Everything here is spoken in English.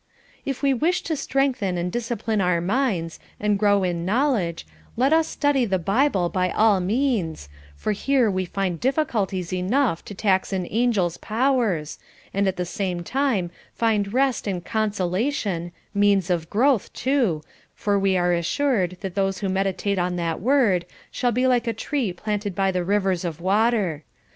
'" "If we wish to strengthen and discipline our minds, and grow in knowledge, let us study the Bible by all means, for here we find difficulties enough to tax an angel's powers, and at the same time find rest and consolation, means of growth, too, for we are assured that those who meditate on that Word 'shall be like a tree planted by the rivers of water.'